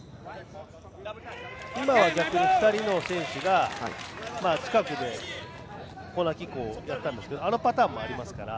今は逆に２人の選手が近くでコーナーキックをやったんですけどあのパターンもありますから。